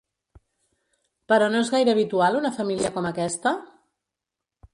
Però no és gaire habitual una família com aquesta?